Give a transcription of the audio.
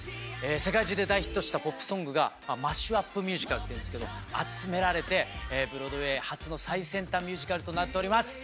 世界中で大ヒットしたポップソングがマッシュ・アップ・ミュージカルっていうんですけど集められてブロードウェイ発の最先端ミュージカルとなっております。